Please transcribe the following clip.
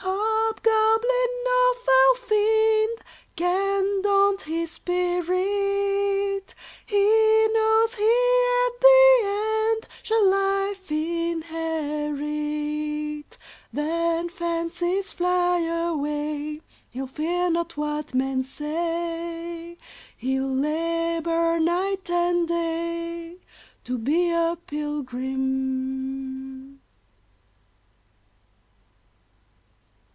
"Hobgoblin nor foul fiend Can daunt his spirit; He knows he at the end Shall life inherit. Then, fancies fly away, He'll fear not what men say; He'll labor night and day To be a pilgrim."